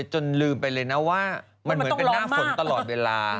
จนลืมไปเลยนะว่ามันเหมือนเป็นหน้าฝนตลอดเวลา